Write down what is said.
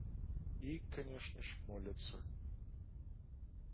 І, канешне ж, моляцца.